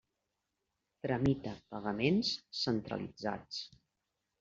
Tramita pagaments centralitzats.